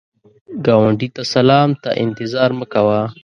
ګاونډي ته سلام ته انتظار مه کوه